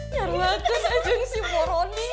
nyaruh nyaruhkan aja si boroding